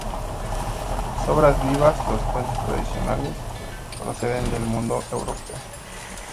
Sombras vivas, los cuentos tradicionales proceden del mundo europeo.